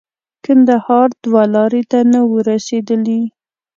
کندهار دوه لارې ته نه وو رسېدلي.